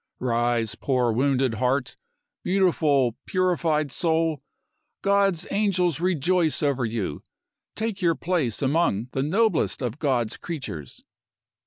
"Rise, poor wounded heart! Beautiful, purified soul, God's angels rejoice over you! Take your place among the noblest of God's creatures!"